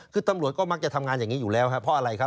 คือตำรวจก็มักจะทำงานอย่างนี้อยู่แล้วครับเพราะอะไรครับ